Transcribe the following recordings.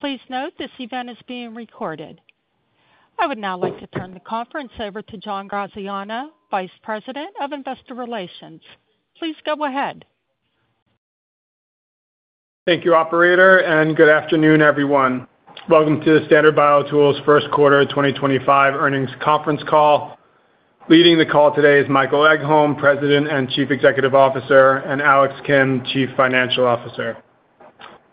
Please note this event is being recorded. I would now like to turn the conference over to John Graziano, Vice President of Investor Relations. Please go ahead. Thank you, Operator, and good afternoon, everyone. Welcome to the Standard BioTools First Quarter 2025 earnings conference call. Leading the call today is Michael Egholm, President and Chief Executive Officer, and Alex Kim, Chief Financial Officer.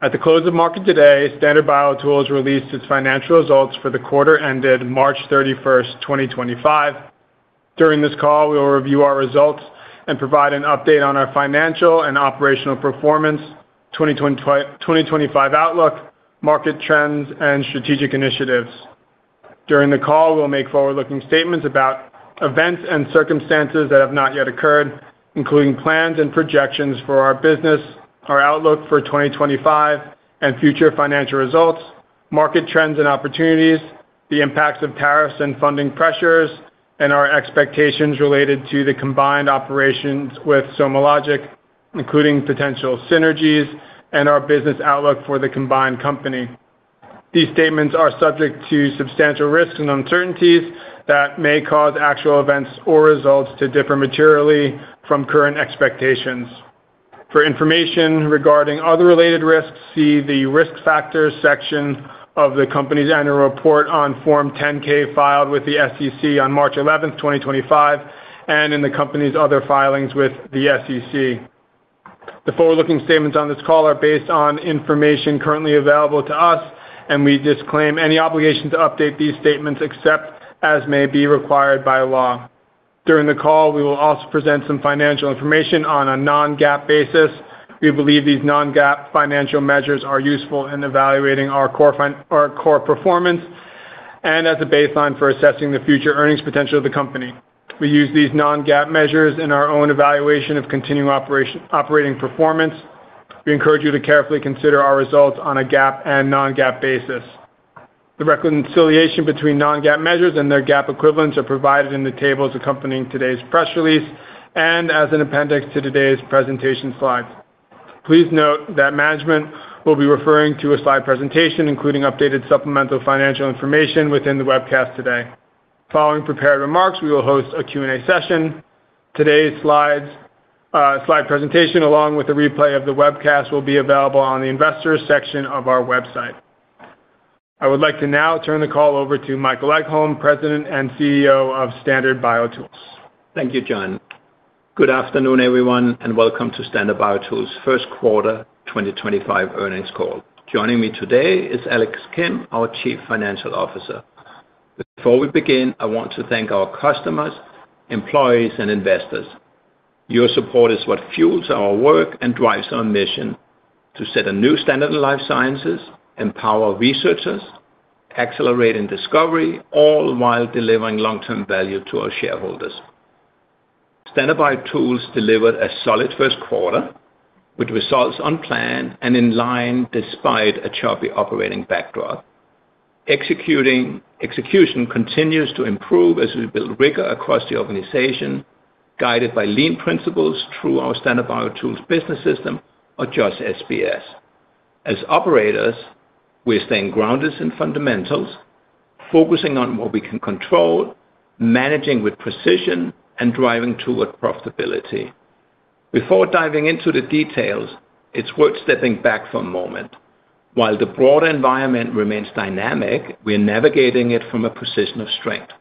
At the close of market today, Standard BioTools released its financial results for the quarter ended March 31, 2025. During this call, we will review our results and provide an update on our financial and operational performance, 2025 outlook, market trends, and strategic initiatives. During the call, we'll make forward-looking statements about events and circumstances that have not yet occurred, including plans and projections for our business, our outlook for 2025 and future financial results, market trends and opportunities, the impacts of tariffs and funding pressures, and our expectations related to the combined operations with SomaLogic, including potential synergies, and our business outlook for the combined company. These statements are subject to substantial risks and uncertainties that may cause actual events or results to differ materially from current expectations. For information regarding other related risks, see the risk factors section of the company's annual report on Form 10-K filed with the SEC on March 11, 2025, and in the company's other filings with the SEC. The forward-looking statements on this call are based on information currently available to us, and we disclaim any obligation to update these statements except as may be required by law. During the call, we will also present some financial information on a non-GAAP basis. We believe these non-GAAP financial measures are useful in evaluating our core performance and as a baseline for assessing the future earnings potential of the company. We use these non-GAAP measures in our own evaluation of continuing operating performance. We encourage you to carefully consider our results on a GAAP and non-GAAP basis. The reconciliation between non-GAAP measures and their GAAP equivalents are provided in the tables accompanying today's press release and as an appendix to today's presentation slides. Please note that management will be referring to a slide presentation, including updated supplemental financial information within the webcast today. Following prepared remarks, we will host a Q&A session. Today's slide presentation, along with a replay of the webcast, will be available on the Investors section of our website. I would like to now turn the call over to Michael Egholm, President and CEO of Standard BioTools. Thank you, John. Good afternoon, everyone, and welcome to Standard BioTools First Quarter 2025 earnings call. Joining me today is Alex Kim, our Chief Financial Officer. Before we begin, I want to thank our customers, employees, and investors. Your support is what fuels our work and drives our mission to set a new standard in life sciences, empower researchers, accelerate discovery, all while delivering long-term value to our shareholders. Standard BioTools delivered a solid first quarter with results on plan and in line despite a choppy operating backdrop. Execution continues to improve as we build rigor across the organization, guided by lean principles through our Standard BioTools business system, or just SBS. As operators, we're staying grounded in fundamentals, focusing on what we can control, managing with precision, and driving toward profitability. Before diving into the details, it's worth stepping back for a moment. While the broader environment remains dynamic, we're navigating it from a position of strength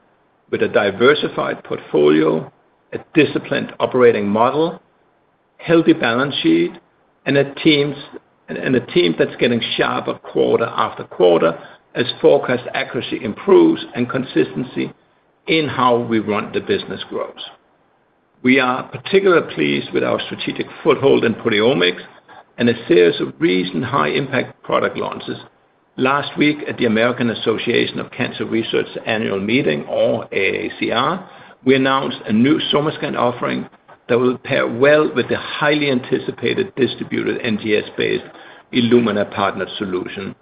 with a diversified portfolio, a disciplined operating model, a healthy balance sheet, and a team that's getting sharper quarter after quarter as forecast accuracy improves and consistency in how we run the business grows. We are particularly pleased with our strategic foothold in proteomics and a series of recent high-impact product launches. Last week, at the American Association of Cancer Research's annual meeting, or AACR, we announced a new SomaScan offering that will pair well with the highly anticipated distributed NGS-based Illumina partner solution.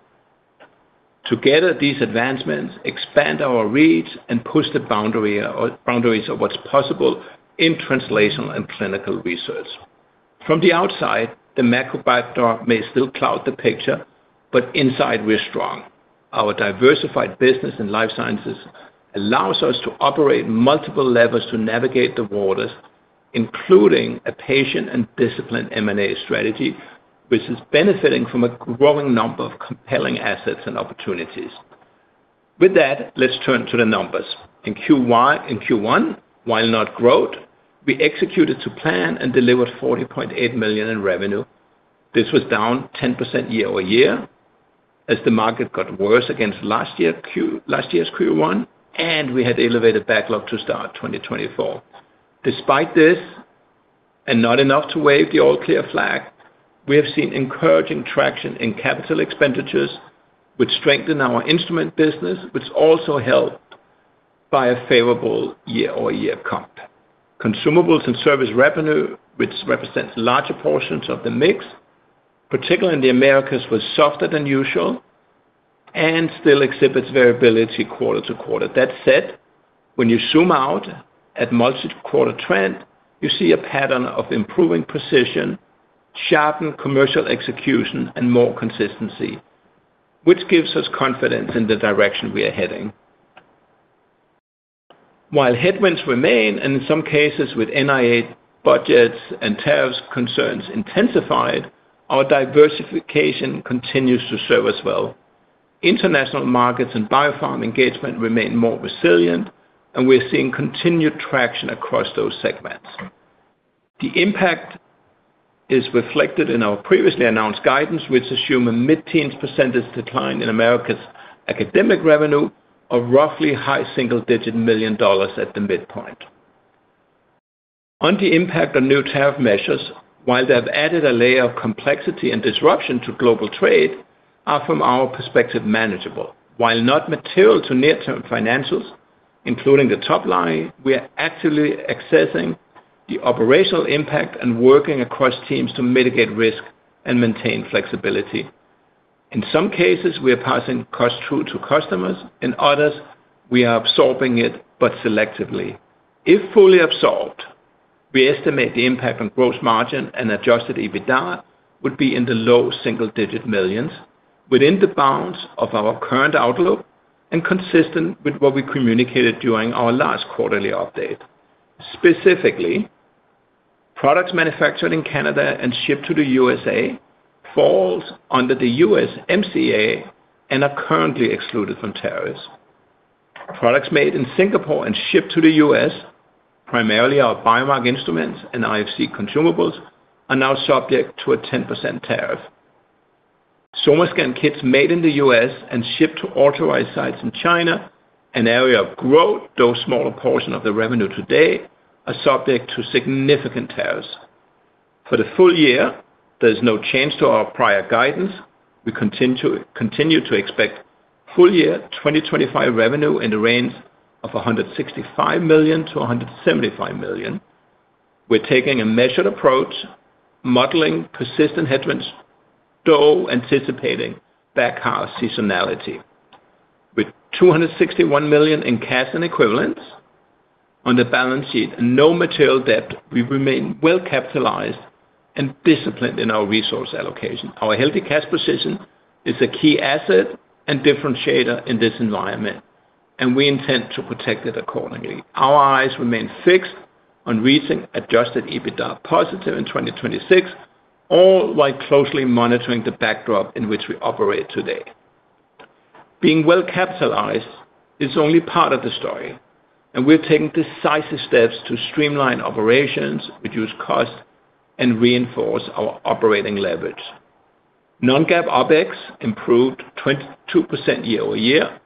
Together, these advancements expand our reach and push the boundaries of what's possible in translational and clinical research. From the outside, the macro backdrop may still cloud the picture, but inside, we're strong. Our diversified business in life sciences allows us to operate multiple levels to navigate the waters, including a patient and disciplined M&A strategy, which is benefiting from a growing number of compelling assets and opportunities. With that, let's turn to the numbers. In Q1, while not growth, we executed to plan and delivered $40.8 million in revenue. This was down 10% year-over-year as the market got worse against last year's Q1, and we had elevated backlog to start 2024. Despite this, and not enough to wave the all-clear flag, we have seen encouraging traction in capital expenditures, which strengthen our instrument business, which also helped by a favorable year-over-year comp. Consumables and service revenue, which represents larger portions of the mix, particularly in the Americas, was softer than usual and still exhibits variability quarter to quarter. That said, when you zoom out at multi-quarter trend, you see a pattern of improving precision, sharpened commercial execution, and more consistency, which gives us confidence in the direction we are heading. While headwinds remain, and in some cases with NIH budgets and tariff concerns intensified, our diversification continues to serve us well. International markets and biopharma engagement remain more resilient, and we're seeing continued traction across those segments. The impact is reflected in our previously announced guidance, which assumes a mid-teens % decline in Americas academic revenue of roughly high single-digit million dollars at the midpoint. On the impact on new tariff measures, while they have added a layer of complexity and disruption to global trade, are from our perspective manageable. While not material to near-term financials, including the top line, we are actively assessing the operational impact and working across teams to mitigate risk and maintain flexibility. In some cases, we are passing cost through to customers. In others, we are absorbing it, but selectively. If fully absorbed, we estimate the impact on gross margin and adjusted EBITDA would be in the low single-digit millions within the bounds of our current outlook and consistent with what we communicated during our last quarterly update. Specifically, products manufactured in Canada and shipped to the U.S. fall under the USMCA and are currently excluded from tariffs. Products made in Singapore and shipped to the U.S., primarily our Biomark instruments and IFC consumables, are now subject to a 10% tariff. SomaScan kits made in the U.S. and shipped to authorized sites in China, an area of growth, though a smaller portion of the revenue today, are subject to significant tariffs. For the full year, there is no change to our prior guidance. We continue to expect full year 2025 revenue in the range of $165 million-$175 million. We're taking a measured approach, modeling persistent headwinds, though anticipating backhaul seasonality. With $261 million in cash and equivalents on the balance sheet and no material debt, we remain well-capitalized and disciplined in our resource allocation. Our healthy cash position is a key asset and differentiator in this environment, and we intend to protect it accordingly. Our eyes remain fixed on reaching adjusted EBITDA positive in 2026, all while closely monitoring the backdrop in which we operate today. Being well-capitalized is only part of the story, and we're taking decisive steps to streamline operations, reduce costs, and reinforce our operating leverage. Non-GAAP OpEx improved 22% year-over-year,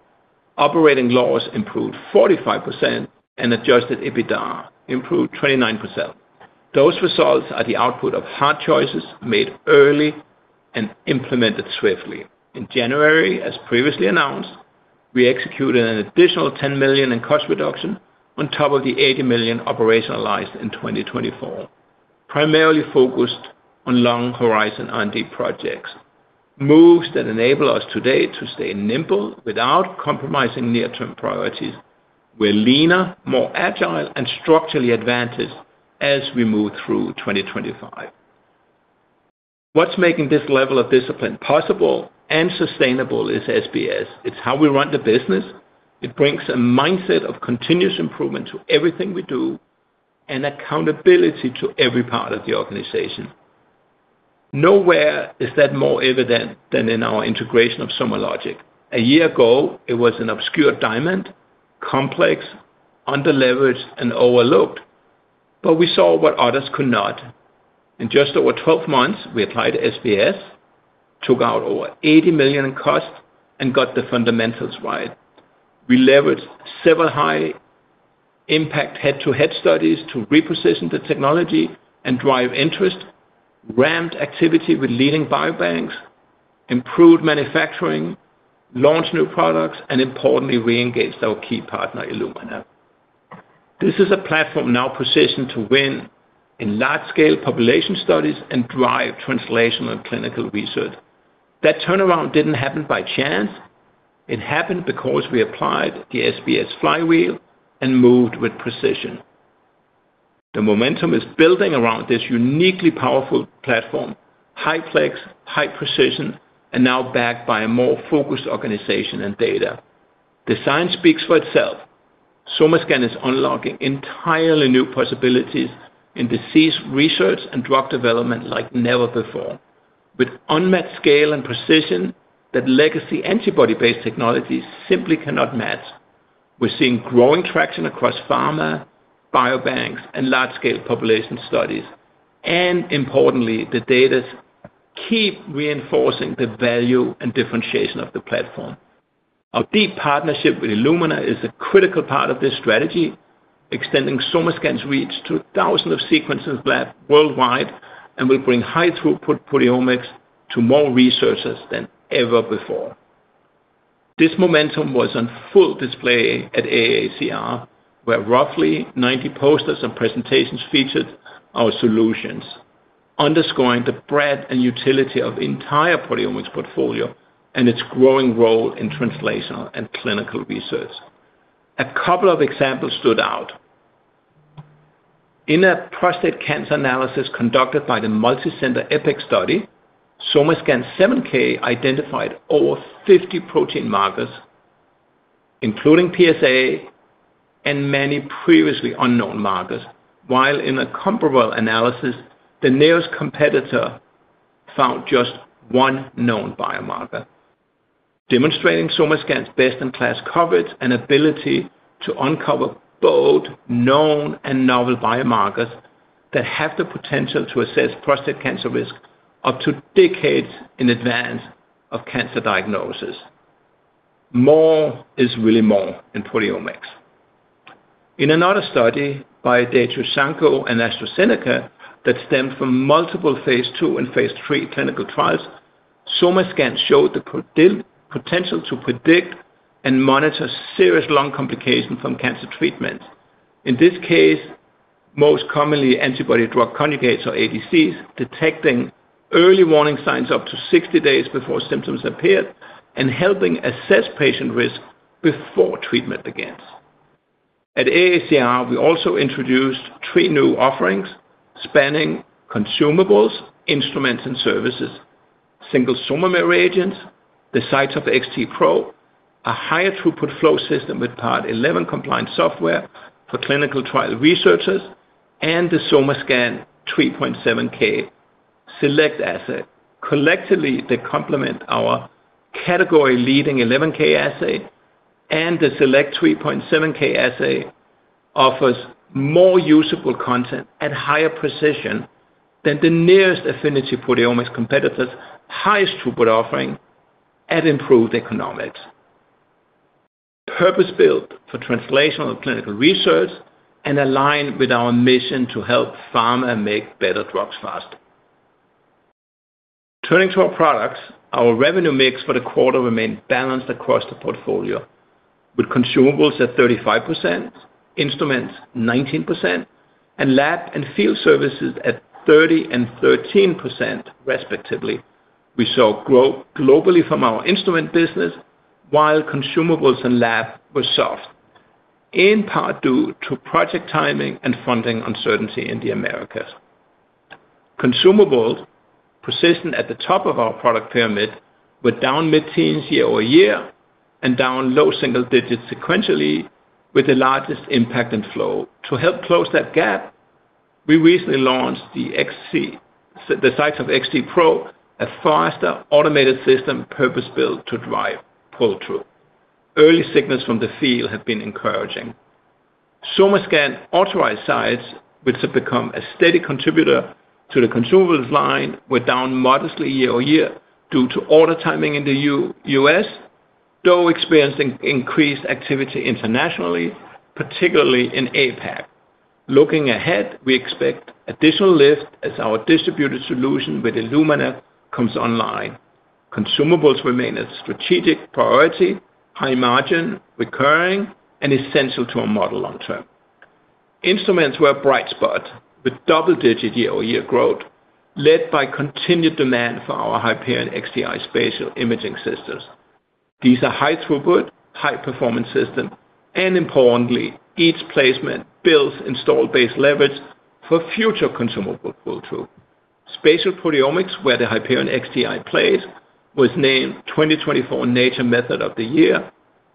operating loss improved 45%, and adjusted EBITDA improved 29%. Those results are the output of hard choices made early and implemented swiftly. In January, as previously announced, we executed an additional $10 million in cost reduction on top of the $80 million operationalized in 2024, primarily focused on long-horizon R&D projects. Moves that enable us today to stay nimble without compromising near-term priorities. We're leaner, more agile, and structurally advanced as we move through 2025. What's making this level of discipline possible and sustainable is SBS. It's how we run the business. It brings a mindset of continuous improvement to everything we do and accountability to every part of the organization. Nowhere is that more evident than in our integration of SomaLogic. A year ago, it was an obscure diamond, complex, under-leveraged, and overlooked, but we saw what others could not. In just over 12 months, we applied SBS, took out over $80 million in cost, and got the fundamentals right. We leveraged several high-impact head-to-head studies to reposition the technology and drive interest, ramped activity with leading biobanks, improved manufacturing, launched new products, and importantly, re-engaged our key partner, Illumina. This is a platform now positioned to win in large-scale population studies and drive translational and clinical research. That turnaround did not happen by chance. It happened because we applied the SBS flywheel and moved with precision. The momentum is building around this uniquely powerful platform, high-precision, and now backed by a more focused organization and data. The sign speaks for itself. SomaScan is unlocking entirely new possibilities in disease research and drug development like never before, with unmet scale and precision that legacy antibody-based technologies simply cannot match. We are seeing growing traction across pharma, biobanks, and large-scale population studies, and importantly, the data keep reinforcing the value and differentiation of the platform. Our deep partnership with Illumina is a critical part of this strategy, extending SomaScan's reach to thousands of sequencing labs worldwide and will bring high-throughput proteomics to more researchers than ever before. This momentum was on full display at AACR, where roughly 90 posters and presentations featured our solutions, underscoring the breadth and utility of the entire proteomics portfolio and its growing role in translational and clinical research. A couple of examples stood out. In a prostate cancer analysis conducted by the multicenter EPIC study, SomaScan 7K identified over 50 protein markers, including PSA and many previously unknown markers, while in a comparable analysis, the nearest competitor found just one known biomarker, demonstrating SomaScan's best-in-class coverage and ability to uncover both known and novel biomarkers that have the potential to assess prostate cancer risk up to decades in advance of cancer diagnosis. More is really more in proteomics. In another study by De Jusanco and AstraZeneca that stemmed from multiple phase II and phase III clinical trials, SomaScan showed the potential to predict and monitor serious lung complications from cancer treatments. In this case, most commonly antibody-drug conjugates, or ADCs, detecting early warning signs up to 60 days before symptoms appeared and helping assess patient risk before treatment begins. At AACR, we also introduced three new offerings spanning consumables, instruments, and services, Single SOMAmer Agents, the CyTOF-XT Pro, a higher-throughput flow system with Part 11 compliant software for clinical trial researchers, and the SomaScan 3.7K Select assay. Collectively, they complement our category-leading 11K assay, and the Select 3.7K assay offers more usable content at higher precision than the nearest affinity proteomics competitor's highest-throughput offering at improved economics. Purpose-built for translational clinical research and aligned with our mission to help pharma make better drugs faster. Turning to our products, our revenue mix for the quarter remained balanced across the portfolio, with consumables at 35%, instruments 19%, and lab and field services at 30% and 13%, respectively. We saw growth globally from our instrument business, while consumables and lab were soft, in part due to project timing and funding uncertainty in the Americas. Consumables, positioned at the top of our product pyramid, were down mid-teens year-over-year and down low single digits sequentially, with the largest impact in flow. To help close that gap, we recently launched the CyTOF-XT Pro, a faster, automated system purpose-built to drive pull-through. Early signals from the field have been encouraging. SomaScan authorized sites, which have become a steady contributor to the consumables line, were down modestly year-over-year due to order timing in the U.S., though experiencing increased activity internationally, particularly in APAC. Looking ahead, we expect additional lift as our distributed solution with Illumina comes online. Consumables remain a strategic priority, high margin, recurring, and essential to our model long-term. Instruments were a bright spot with double-digit year-over-year growth, led by continued demand for our Hyperion XDI spatial imaging systems. These are high-throughput, high-performance systems, and importantly, each placement builds installed-based leverage for future consumable pull-through. Spatial proteomics, where the Hyperion XDI plays, was named 2024 Nature Method of the Year,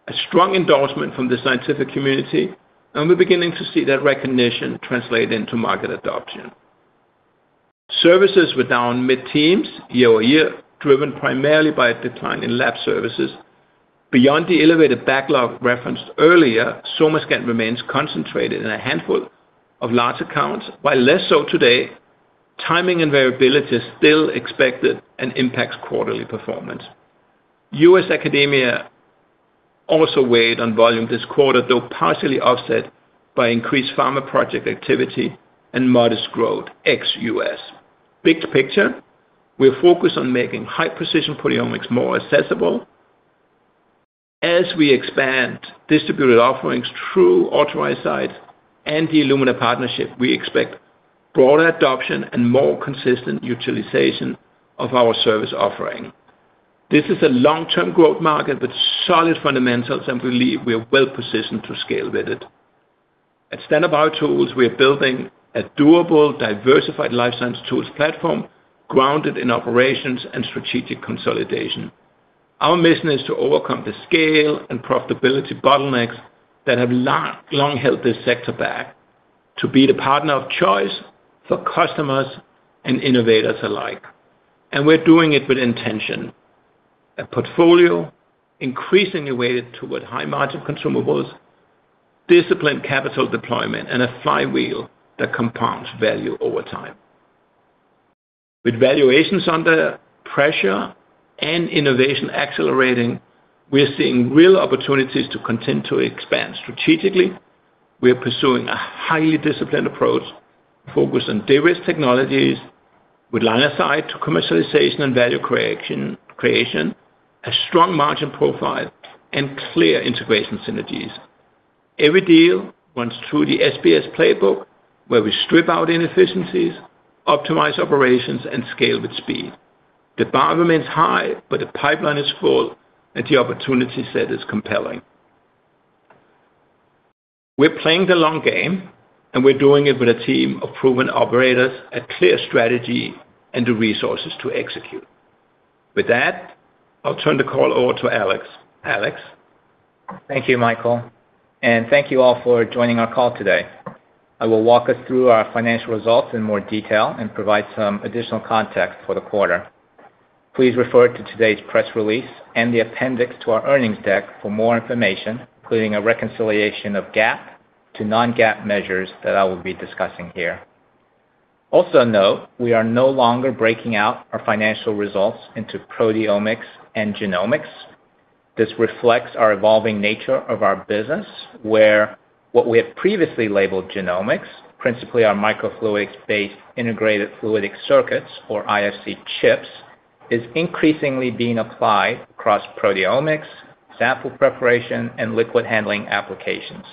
a strong endorsement from the scientific community, and we're beginning to see that recognition translate into market adoption. Services were down mid-teens year-over-year, driven primarily by a decline in lab services. Beyond the elevated backlog referenced earlier, SomaScan remains concentrated in a handful of large accounts, while less so today. Timing and variability are still expected and impact quarterly performance. U.S. academia also weighed on volume this quarter, though partially offset by increased pharma project activity and modest growth ex-U.S. Big picture, we're focused on making high-precision proteomics more accessible. As we expand distributed offerings through authorized sites and the Illumina partnership, we expect broader adoption and more consistent utilization of our service offering. This is a long-term growth market with solid fundamentals, and we believe we are well-positioned to scale with it. At Standard BioTools, we are building a durable, diversified life science tools platform grounded in operations and strategic consolidation. Our mission is to overcome the scale and profitability bottlenecks that have long held this sector back, to be the partner of choice for customers and innovators alike. We're doing it with intention. A portfolio increasingly weighted toward high-margin consumables, disciplined capital deployment, and a flywheel that compounds value over time. With valuations under pressure and innovation accelerating, we're seeing real opportunities to continue to expand strategically. We are pursuing a highly disciplined approach, focused on de-risk technologies, with line of sight to commercialization and value creation, a strong margin profile, and clear integration synergies. Every deal runs through the SBS playbook, where we strip out inefficiencies, optimize operations, and scale with speed. The bar remains high, but the pipeline is full, and the opportunity set is compelling. We're playing the long game, and we're doing it with a team of proven operators, a clear strategy, and the resources to execute. With that, I'll turn the call over to Alex. Thank you, Michael. And thank you all for joining our call today. I will walk us through our financial results in more detail and provide some additional context for the quarter. Please refer to today's press release and the appendix to our earnings deck for more information, including a reconciliation of GAAP to non-GAAP measures that I will be discussing here. Also note, we are no longer breaking out our financial results into proteomics and genomics. This reflects our evolving nature of our business, where what we have previously labeled genomics, principally our microfluidics-based integrated fluidic circuits, or IFC chips, is increasingly being applied across proteomics, sample preparation, and liquid handling applications.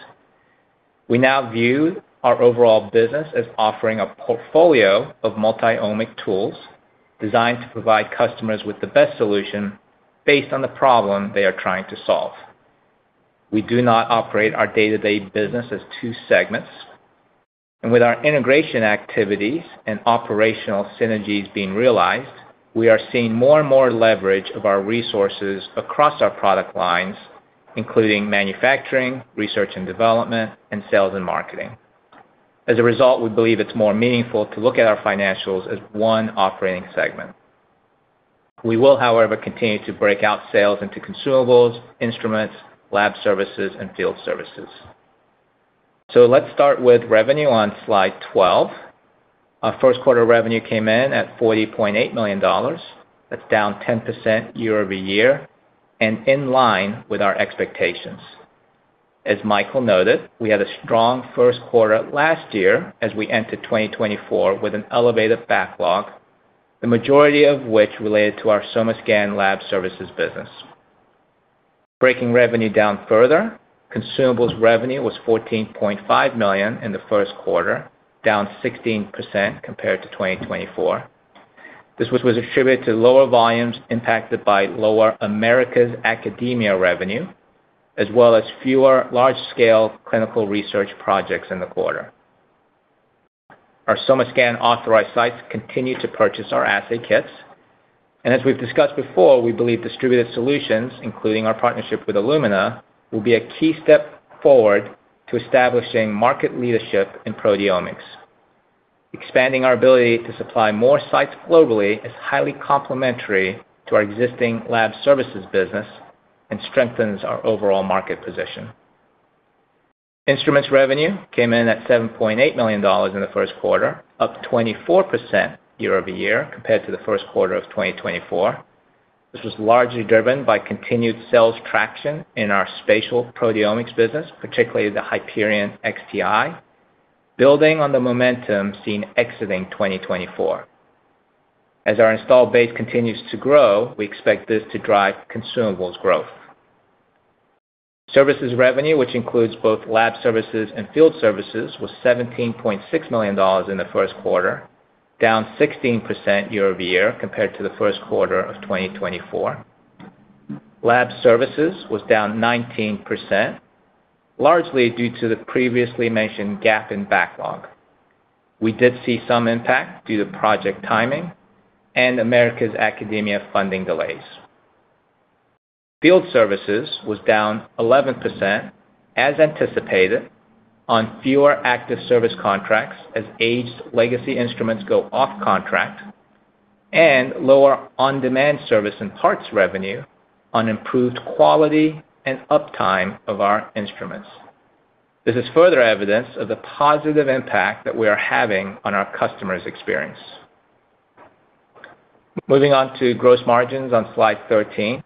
We now view our overall business as offering a portfolio of multi-omic tools designed to provide customers with the best solution based on the problem they are trying to solve. We do not operate our day-to-day business as two segments. With our integration activities and operational synergies being realized, we are seeing more and more leverage of our resources across our product lines, including manufacturing, research and development, and sales and marketing. As a result, we believe it is more meaningful to look at our financials as one operating segment. We will, however, continue to break out sales into consumables, instruments, lab services, and field services. Let's start with revenue on slide 12. Our first quarter revenue came in at $40.8 million. That is down 10% year-over-year and in line with our expectations. As Michael noted, we had a strong first quarter last year as we entered 2024 with an elevated backlog, the majority of which related to our SomaScan lab services business. Breaking revenue down further, consumables revenue was $14.5 million in the first quarter, down 16% compared to 2024. This was attributed to lower volumes impacted by lower Americas academia revenue, as well as fewer large-scale clinical research projects in the quarter. Our SomaScan authorized sites continue to purchase our assay kits. As we've discussed before, we believe distributed solutions, including our partnership with Illumina, will be a key step forward to establishing market leadership in proteomics. Expanding our ability to supply more sites globally is highly complementary to our existing lab services business and strengthens our overall market position. Instruments revenue came in at $7.8 million in the first quarter, up 24% year-over-year compared to the first quarter of 2024. This was largely driven by continued sales traction in our spatial proteomics business, particularly the Hyperion XDI, building on the momentum seen exiting 2024. As our installed base continues to grow, we expect this to drive consumables growth. Services revenue, which includes both lab services and field services, was $17.6 million in the first quarter, down 16% year-over-year compared to the first quarter of 2024. Lab services was down 19%, largely due to the previously mentioned gap in backlog. We did see some impact due to project timing and America's academia funding delays. Field services was down 11%, as anticipated, on fewer active service contracts as aged legacy instruments go off contract, and lower on-demand service and parts revenue on improved quality and uptime of our instruments. This is further evidence of the positive impact that we are having on our customers' experience. Moving on to gross margins on slide 13.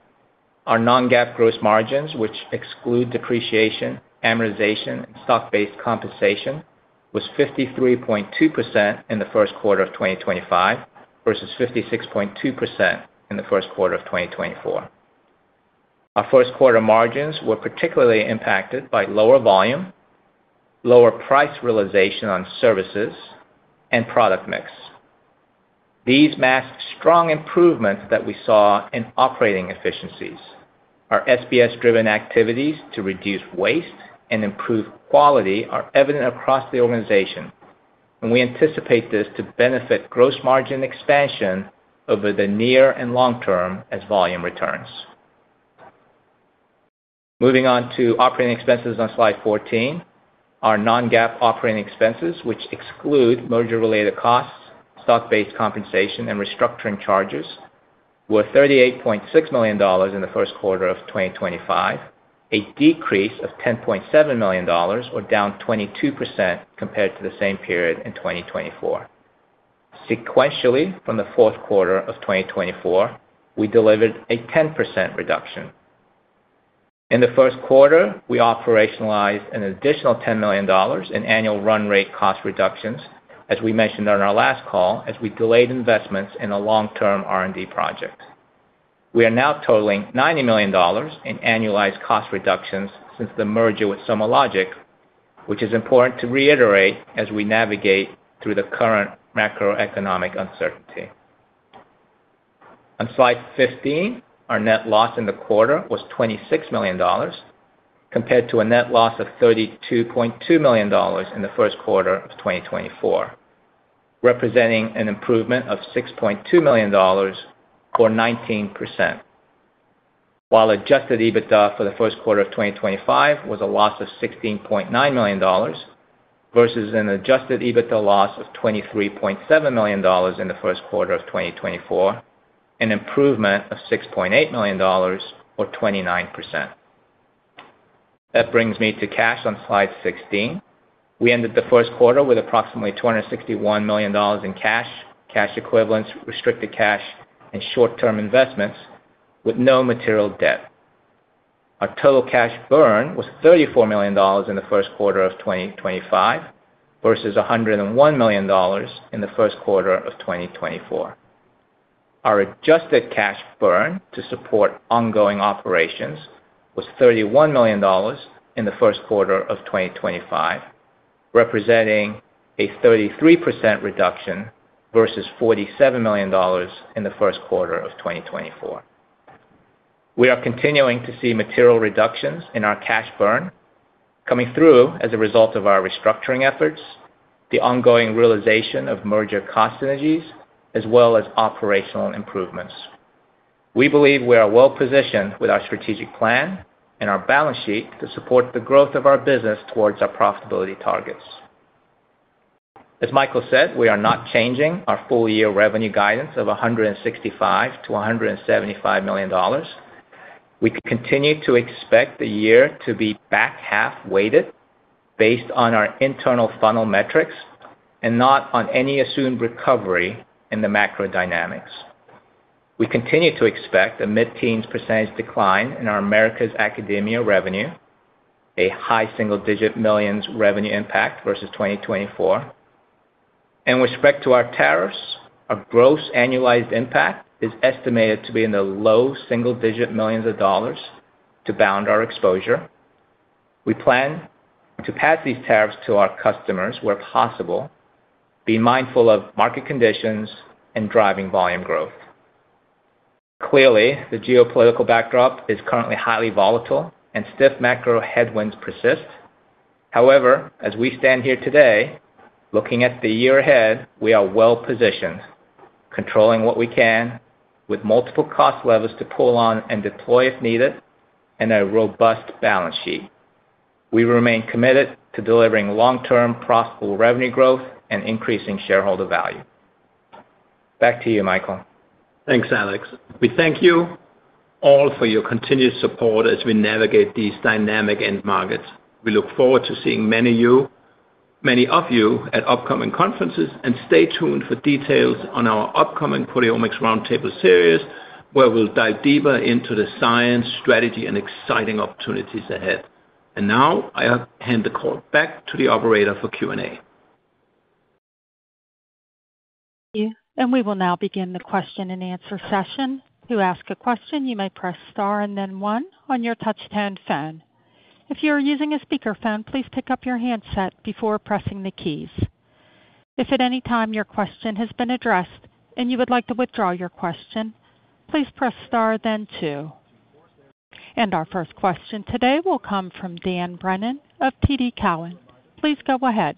Our non-GAAP gross margins, which exclude depreciation, amortization, and stock-based compensation, were 53.2% in the first quarter of 2025 versus 56.2% in the first quarter of 2024. Our first quarter margins were particularly impacted by lower volume, lower price realization on services, and product mix. These mask strong improvements that we saw in operating efficiencies. Our SBS-driven activities to reduce waste and improve quality are evident across the organization, and we anticipate this to benefit gross margin expansion over the near and long term as volume returns. Moving on to operating expenses on slide 14. Our non-GAAP operating expenses, which exclude merger-related costs, stock-based compensation, and restructuring charges, were $38.6 million in the first quarter of 2025, a decrease of $10.7 million, or down 22% compared to the same period in 2024. Sequentially, from the fourth quarter of 2024, we delivered a 10% reduction. In the first quarter, we operationalized an additional $10 million in annual run rate cost reductions, as we mentioned on our last call, as we delayed investments in a long-term R&D project. We are now totaling $90 million in annualized cost reductions since the merger with SomaLogic, which is important to reiterate as we navigate through the current macroeconomic uncertainty. On slide 15, our net loss in the quarter was $26 million compared to a net loss of $32.2 million in the first quarter of 2024, representing an improvement of $6.2 million, or 19%. While adjusted EBITDA for the first quarter of 2025 was a loss of $16.9 million versus an adjusted EBITDA loss of $23.7 million in the first quarter of 2024, an improvement of $6.8 million, or 29%. That brings me to cash on slide 16. We ended the first quarter with approximately $261 million in cash, cash equivalents, restricted cash, and short-term investments, with no material debt. Our total cash burn was $34 million in the first quarter of 2025 versus $101 million in the first quarter of 2024. Our adjusted cash burn to support ongoing operations was $31 million in the first quarter of 2025, representing a 33% reduction versus $47 million in the first quarter of 2024. We are continuing to see material reductions in our cash burn coming through as a result of our restructuring efforts, the ongoing realization of merger cost synergies, as well as operational improvements. We believe we are well-positioned with our strategic plan and our balance sheet to support the growth of our business towards our profitability targets. As Michael said, we are not changing our full-year revenue guidance of $165-$175 million. We continue to expect the year to be back half-weighted based on our internal funnel metrics and not on any assumed recovery in the macro dynamics. We continue to expect a mid-teens % decline in our Americas academia revenue, a high single-digit millions revenue impact versus 2024. With respect to our tariffs, our gross annualized impact is estimated to be in the low single-digit millions of dollars to bound our exposure. We plan to pass these tariffs to our customers where possible, being mindful of market conditions and driving volume growth. Clearly, the geopolitical backdrop is currently highly volatile, and stiff macro headwinds persist. However, as we stand here today, looking at the year ahead, we are well-positioned, controlling what we can, with multiple cost levers to pull on and deploy if needed, and a robust balance sheet. We remain committed to delivering long-term profitable revenue growth and increasing shareholder value. Back to you, Michael. Thanks, Alex. We thank you all for your continued support as we navigate these dynamic end markets. We look forward to seeing many of you at upcoming conferences, and stay tuned for details on our upcoming Proteomics Roundtable series, where we will dive deeper into the science, strategy, and exciting opportunities ahead. I hand the call back to the operator for Q&A. Thank you. We will now begin the question and answer session. To ask a question, you may press star and then one on your touch-tone phone. If you are using a speakerphone, please pick up your handset before pressing the keys. If at any time your question has been addressed and you would like to withdraw your question, please press star then two. Our first question today will come from Dan Brennan of TD Cowen. Please go ahead.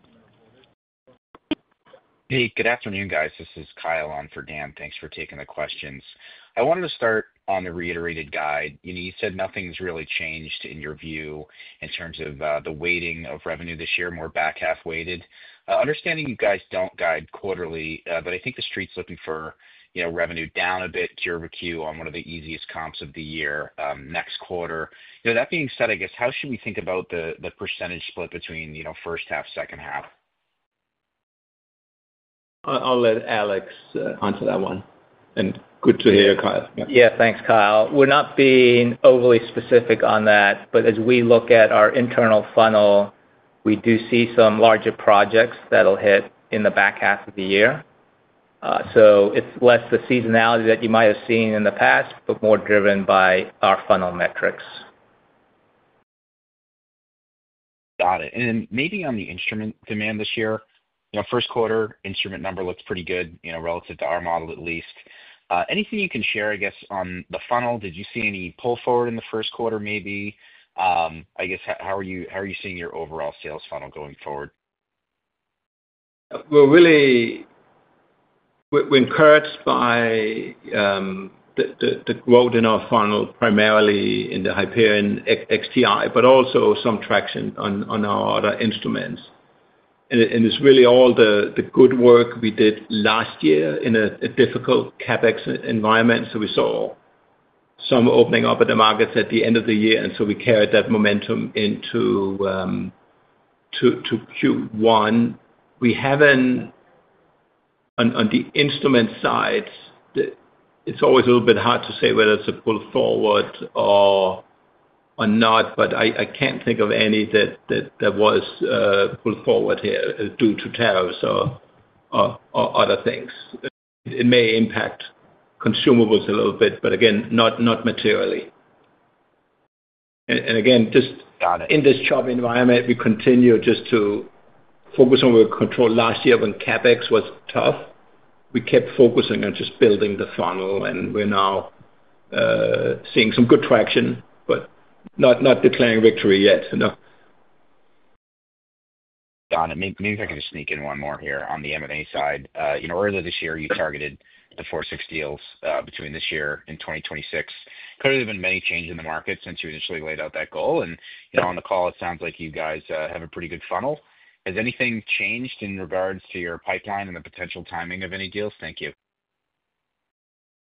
Hey, good afternoon, guys. This is Kyle on for Dan. Thanks for taking the questions. I wanted to start on the reiterated guide. You said nothing's really changed in your view in terms of the weighting of revenue this year, more back half-weighted. Understanding you guys don't guide quarterly, but I think the street's looking for revenue down a bit, Jefferies on one of the easiest comps of the year next quarter. That being said, I guess, how should we think about the percentage split between first half, second half? I'll let Alex answer that one. Good to hear, Kyle. Yeah, thanks, Kyle. We're not being overly specific on that, but as we look at our internal funnel, we do see some larger projects that'll hit in the back half of the year. It's less the seasonality that you might have seen in the past, but more driven by our funnel metrics. Got it. Maybe on the instrument demand this year, first quarter instrument number looks pretty good relative to our model, at least. Anything you can share, I guess, on the funnel? Did you see any pull forward in the first quarter, maybe? I guess, how are you seeing your overall sales funnel going forward? We're really encouraged by the growth in our funnel, primarily in the Hyperion XDI, but also some traction on our other instruments. It's really all the good work we did last year in a difficult CapEx environment. We saw some opening up of the markets at the end of the year, and we carried that momentum into Q1. On the instrument side, it's always a little bit hard to say whether it's a pull forward or not, but I can't think of any that was pulled forward here due to tariffs or other things. It may impact consumables a little bit, but again, not materially. Again, just in this job environment, we continue just to focus on what we controlled. Last year, when CapEx was tough, we kept focusing on just building the funnel, and we're now seeing some good traction, but not declaring victory yet. Got it. Maybe if I could just sneak in one more here on the M&A side. Earlier this year, you targeted the foreseeable deals between this year and 2026. Clearly, there have been many changes in the market since you initially laid out that goal. On the call, it sounds like you guys have a pretty good funnel. Has anything changed in regards to your pipeline and the potential timing of any deals? Thank you.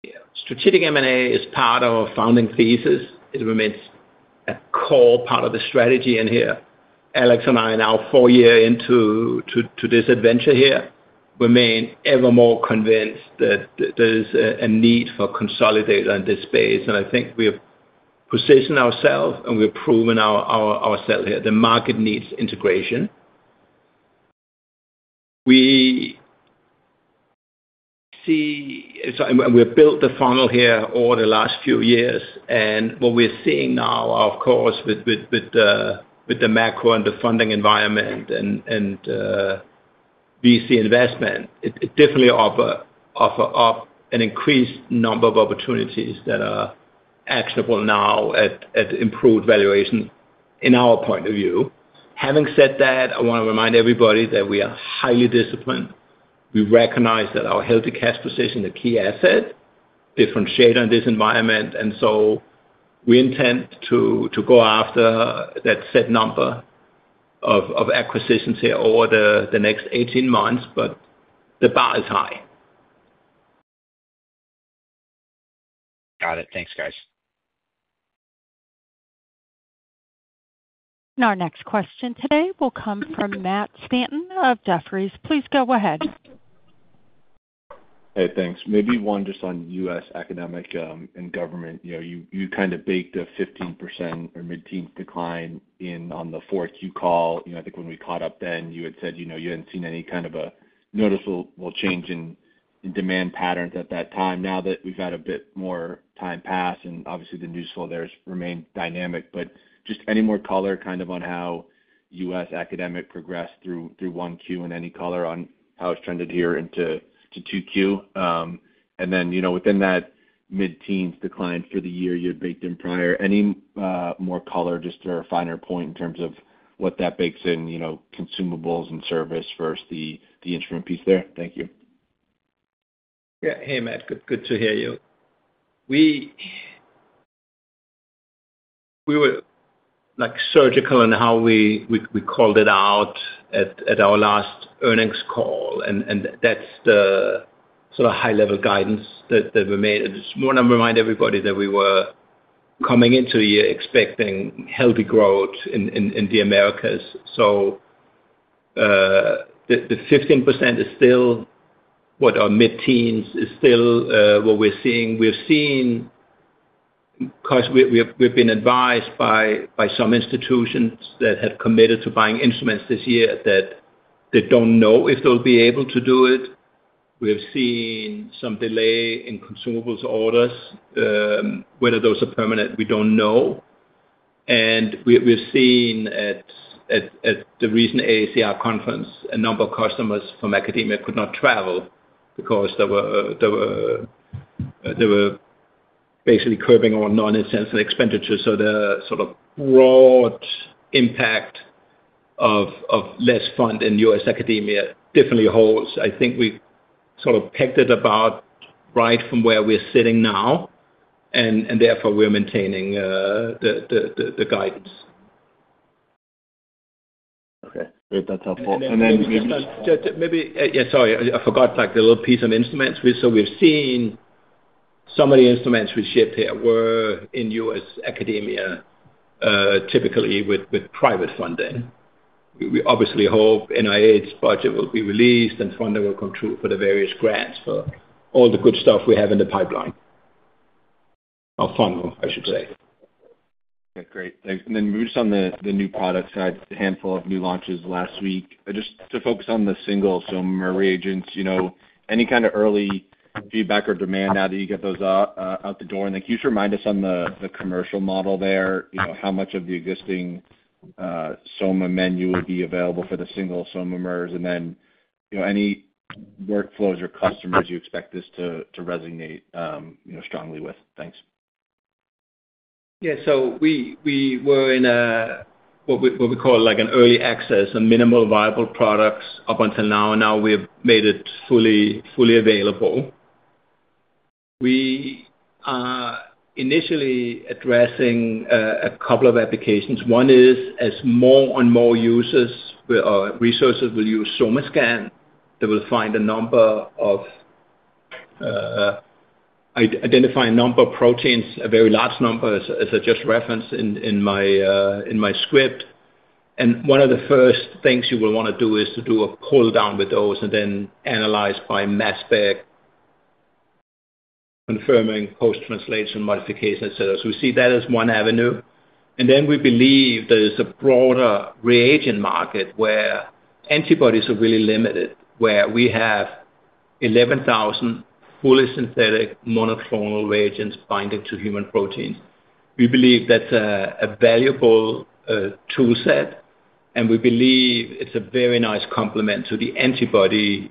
Yeah. Strategic M&A is part of our founding thesis. It remains a core part of the strategy in here. Alex and I, now four years into this adventure here, remain ever more convinced that there is a need for consolidation in this space. I think we have positioned ourselves, and we have proven ourselves here. The market needs integration. We see and we have built the funnel here over the last few years. What we are seeing now, of course, with the macro and the funding environment and VC investment, it definitely offers up an increased number of opportunities that are actionable now at improved valuation, in our point of view. Having said that, I want to remind everybody that we are highly disciplined. We recognize that our healthy cash position is a key asset, differentiated in this environment. We intend to go after that set number of acquisitions here over the next 18 months, but the bar is high. Got it. Thanks, guys. Our next question today will come from Matt Stanton of Jefferies. Please go ahead. Hey, thanks. Maybe one just on U.S. academic and government. You kind of baked a 15% or mid-teens decline in on the fourth Q call. I think when we caught up then, you had said you had not seen any kind of a noticeable change in demand patterns at that time. Now that we have had a bit more time pass, and obviously, the news flow there has remained dynamic, just any more color kind of on how U.S. academic progressed through one Q and any color on how it's trended here into two Q. And then within that mid-teens decline for the year you had baked in prior, any more color just to a finer point in terms of what that bakes in consumables and service versus the instrument piece there? Thank you. Yeah. Hey, Matt. Good to hear you. We were surgical in how we called it out at our last earnings call, and that's the sort of high-level guidance that we made. I just want to remind everybody that we were coming into a year expecting healthy growth in the Americas. So the 15% is still what our mid-teens is still what we're seeing. We've seen, of course, we've been advised by some institutions that have committed to buying instruments this year that they don't know if they'll be able to do it. We have seen some delay in consumables orders. Whether those are permanent, we do not know. We have seen at the recent AACR conference, a number of customers from academia could not travel because they were basically curbing on non-essential expenditures. The sort of broad impact of less fund in U.S. academia definitely holds. I think we sort of pegged it about right from where we are sitting now, and therefore, we are maintaining the guidance. Okay. Great. That is helpful. Maybe—yeah, sorry. I forgot the little piece on instruments. We have seen some of the instruments we shipped here were in U.S. academia, typically with private funding. We obviously hope NIH's budget will be released and funding will come through for the various grants for all the good stuff we have in the pipeline, our funnel, I should say. Okay. Great. Thanks. Maybe just on the new product side, a handful of new launches last week. Just to focus on the single SOMAmer reagents, any kind of early feedback or demand now that you get those out the door? Can you just remind us on the commercial model there, how much of the existing SOMAmer menu will be available for the single SOMAmers, and then any workflows or customers you expect this to resonate strongly with? Thanks. Yeah. We were in what we call an early access, a minimal viable product up until now. Now we have made it fully available. We are initially addressing a couple of applications. One is as more and more users or resources will use SomaScan, they will find a number of, identify a number of proteins, a very large number, as I just referenced in my script. One of the first things you will want to do is to do a pull down with those and then analyze by mass spec, confirming post-translation modification, etc. We see that as one avenue. We believe there is a broader reagent market where antibodies are really limited, where we have 11,000 fully synthetic monoclonal reagents binding to human proteins. We believe that's a valuable toolset, and we believe it's a very nice complement to the antibody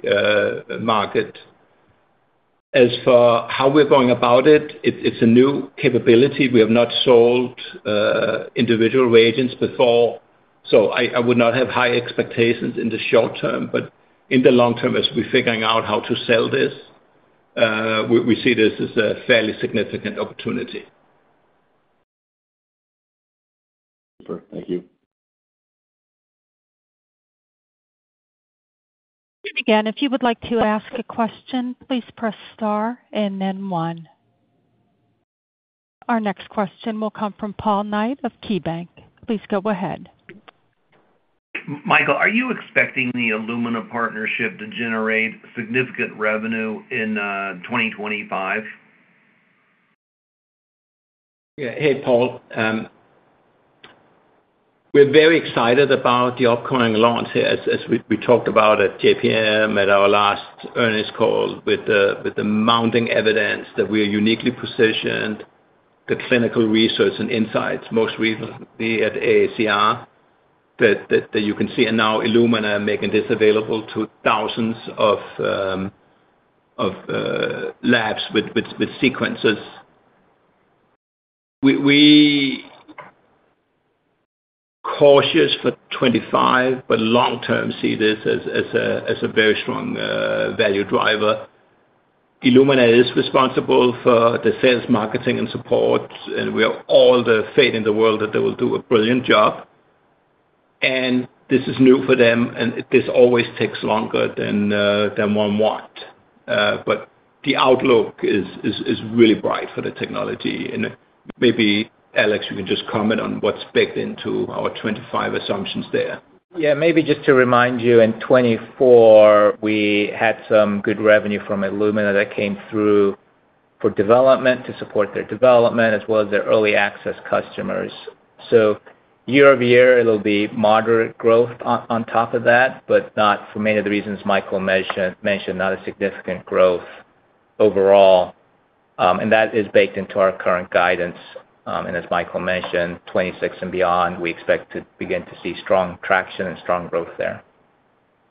market. As for how we're going about it, it's a new capability. We have not sold individual reagents before, so I would not have high expectations in the short term, but in the long term, as we're figuring out how to sell this, we see this as a fairly significant opportunity. Super. Thank you. Again, if you would like to ask a question, please press star and then one. Our next question will come from Paul Knight of KeyBanc. Please go ahead. Michael, are you expecting the Illumina partnership to generate significant revenue in 2025? Yeah. Hey, Paul. We're very excited about the upcoming launch here, as we talked about at JPM at our last earnings call, with the mounting evidence that we are uniquely positioned, the clinical research and insights, most recently at AACR, that you can see now Illumina making this available to thousands of labs with sequencers. We're cautious for 2025, but long-term see this as a very strong value driver. Illumina is responsible for the sales, marketing, and support, and we have all the faith in the world that they will do a brilliant job. This is new for them, and this always takes longer than one wants. The outlook is really bright for the technology. Maybe, Alex, you can just comment on what's baked into our 2025 assumptions there. Yeah. Maybe just to remind you, in 2024, we had some good revenue from Illumina that came through for development to support their development, as well as their early access customers. Year over year, it'll be moderate growth on top of that, but not for many of the reasons Michael mentioned, not a significant growth overall. That is baked into our current guidance. As Michael mentioned, 2026 and beyond, we expect to begin to see strong traction and strong growth there.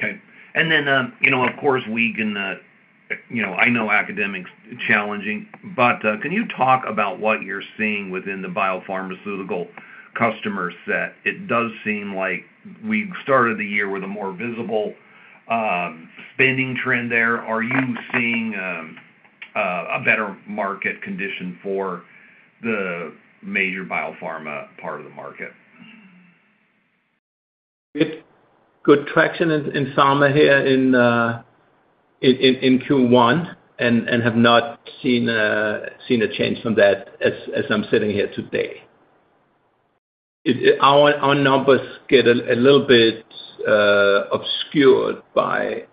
Okay. Of course, we can—I know academic's challenging, but can you talk about what you're seeing within the biopharmaceutical customer set? It does seem like we started the year with a more visible spending trend there. Are you seeing a better market condition for the major biopharma part of the market? Good traction in pharma here in Q1, and have not seen a change from that as I'm sitting here today. Our numbers get a little bit obscured by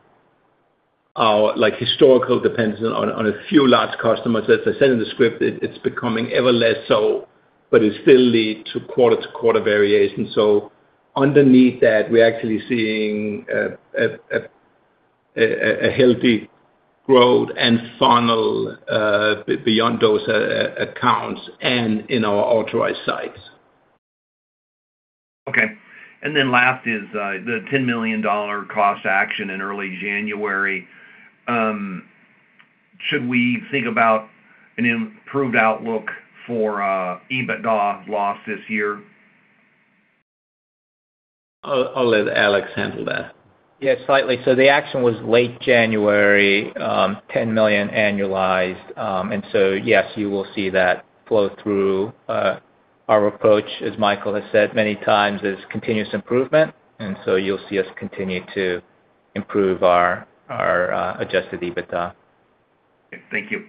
our historical dependence on a few large customers. As I said in the script, it's becoming ever less so, but it still leads to quarter-to-quarter variation. Underneath that, we're actually seeing a healthy growth and funnel beyond those accounts and in our authorized sites. Okay. And then last is the $10 million cost action in early January. Should we think about an improved outlook for EBITDA loss this year? I'll let Alex handle that. Yeah, slightly. The action was late January, $10 million annualized. Yes, you will see that flow through. Our approach, as Michael has said many times, is continuous improvement. You'll see us continue to improve our adjusted EBITDA.. Thank you.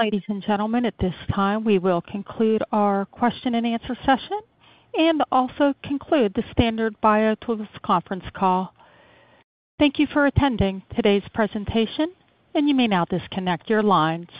Ladies and gentlemen, at this time, we will conclude our question-and-answer session and also conclude the Standard BioTools conference call. Thank you for attending today's presentation, and you may now disconnect your lines.